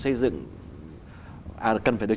xây dựng cần phải được